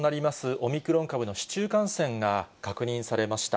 オミクロン株の市中感染が確認されました。